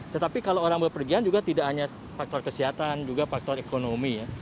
tetapi kalau orang berpergian juga tidak hanya faktor kesehatan juga faktor ekonomi ya